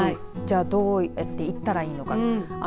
どうやって行ったらいいのか。